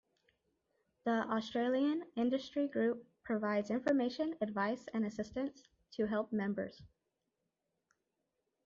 The Australian Industry Group provides information, advice and assistance to help members.